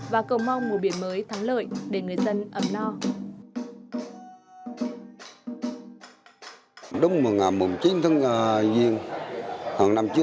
và cầu mong mùa biển mới